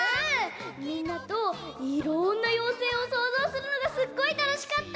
みんなといろんな妖精をそうぞうするのがすっごいたのしかった。